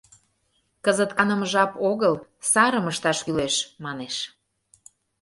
Кызыт каныме жап огыл, сарым ышташ кӱлеш, — манеш...